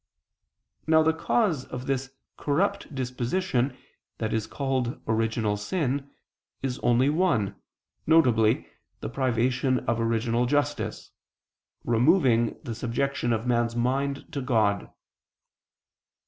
Now the cause of this corrupt disposition that is called original sin, is one only, viz. the privation of original justice, removing the subjection of man's mind to God.